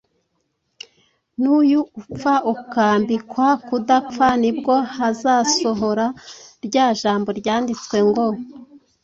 n’uyu upfa ukambikwa kudapfa, ni bwo hazasohora rya jambo ryanditswe ngo,